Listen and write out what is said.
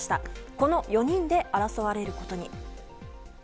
この４人で争われることに。